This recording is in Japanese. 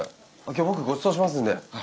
今日僕ごちそうしますんで。